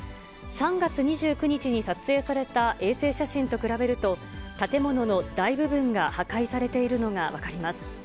３月２９日に撮影された衛星写真と比べると、建物の大部分が破壊されているのが分かります。